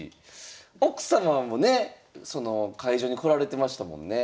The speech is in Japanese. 奥様もねその会場に来られてましたもんね。